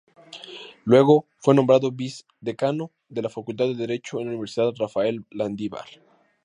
Luego, fue nombrado Vice-Decano de la Facultad de Derecho en la Universidad Rafael Landívar.